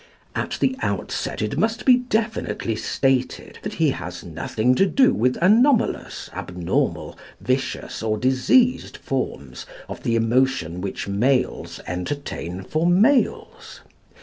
At the outset it must be definitely stated that he has nothing to do with anomalous, abnormal, vicious, or diseased forms of the emotion which males entertain for males.